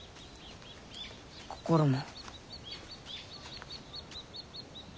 心も。